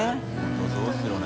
榲そうですよね。